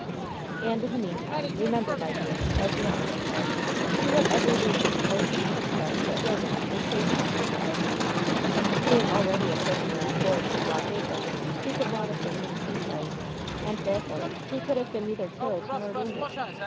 "And, in the meantime, remember, my dear, as your uncle said, we have every reason to hope and expect that Eoland is safe on board the Argente. Being already a prisoner on board the blockade runner, he could not have been in the sea fight, and, therefore, he could have been neither killed nor wounded.